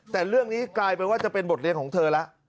แต่เรื่องนี้กลายเป็นว่าจะเป็นบทเรียนของเธอแล้ว